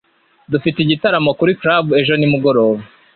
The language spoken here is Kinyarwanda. Dufite igitaramo kuri club ejo nimugoroba.